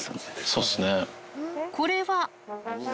そうっすね。